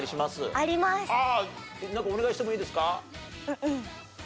ああお願いしてもいいですか？